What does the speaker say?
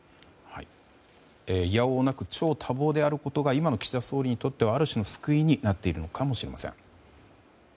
否応なく超多忙であることが今の岸田総理にとってはある種の救いになっているのかもしれません。